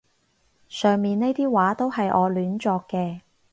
上面呢啲話都係我亂作嘅